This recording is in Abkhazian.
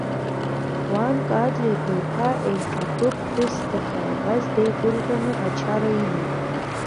Уанка Адлеиба иԥа еиҳабы ԥҳәыс дахьааигаз деигәырӷьаны ачара иман.